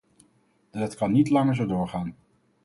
Dat kan niet langer zo doorgaan.